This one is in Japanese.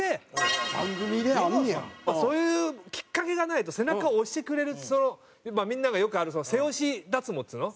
そういうきっかけがないと背中を押してくれるそのみんながよくあるその背押し脱毛っつうの？